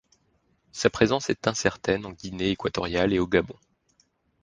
Sa présence est incertaine en Guinée équatoriale et au Gabon.